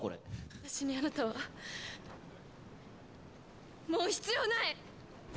私に、あなたはもう必要ない。